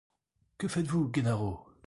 Que faites-vous, Gennaro ?